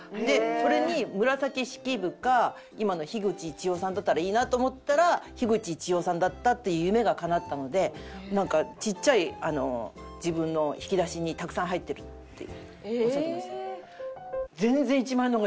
それに紫式部か今の口一葉さんだったらいいなと思ったら口一葉さんだったっていう夢がかなったのでなんかちっちゃい自分の引き出しにたくさん入ってるっていうおっしゃってました。